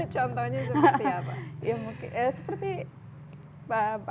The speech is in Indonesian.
contohnya seperti apa